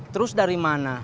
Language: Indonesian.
terus dari mana